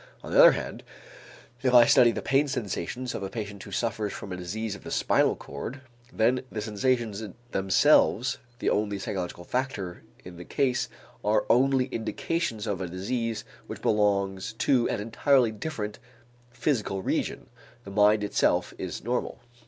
On the other hand, if I study the pain sensations of a patient who suffers from a disease of the spinal cord, then the sensations themselves, the only psychological factor in the case, are only indications of a disease which belongs to an entirely different physical region; the mind itself is normal.